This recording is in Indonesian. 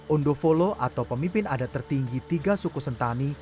undo volo atau pemimpin adat tertinggi tiga suku sentani